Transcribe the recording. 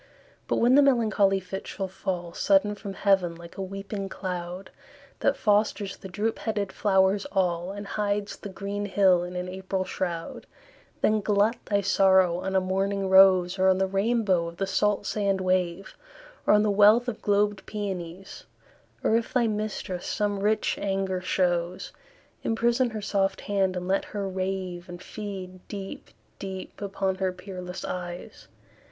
But when the melancholy fit shall fall Sudden from heaven like a weeping cloud, That fosters the droop headed flowers all, And hides the green hill in an April shroud; Then glut thy sorrow on a morning rose, Or on the rainbow of the salt sand wave, Or on the wealth of globed peonies; Or if thy mistress some rich anger shows, Emprison her soft hand, and let her rave, And feed deep, deep upon her peerless eyes.